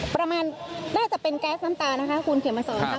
ประมาณน่าจะเป็นแก๊สน้ำตานะคะคุณเขียนมาสอนค่ะ